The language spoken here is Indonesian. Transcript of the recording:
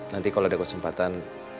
nanti kalau ada kesempatan